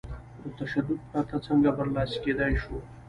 له تشدد پرته څنګه برلاسي کېدای شو؟